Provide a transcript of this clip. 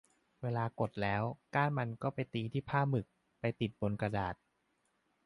เวลากดแล้วก้านมันก็ไปตีที่ผ้าหมึก ไปติดบนกระดาษ